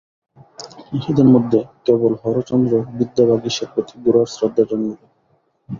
ইঁহাদের মধ্যে কেবল হরচন্দ্র বিদ্যাবাগীশের প্রতি গোরার শ্রদ্ধা জন্মিল।